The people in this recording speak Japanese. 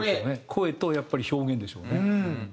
声とやっぱり表現でしょうね。